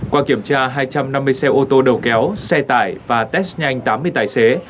qua kiểm tra hai trăm năm mươi xe ô tô đầu kéo xe tải và test nhanh tám mươi tài xế